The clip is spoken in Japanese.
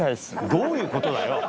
どういうことだよ？